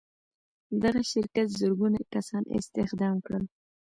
دغه شرکت زرګونه کسان استخدام کړل